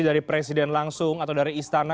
dari presiden langsung atau dari istana